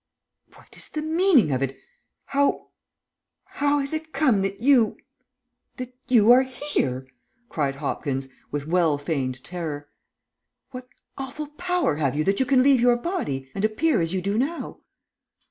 "What is the meaning of it how how has it come that you that you are here?" cried Hopkins, with well feigned terror. "What awful power have you that you can leave your body and appear as you do now?"